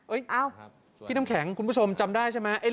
เอ้าพี่น้ำแข็งคุณผู้ชมจำได้ใช่ไหม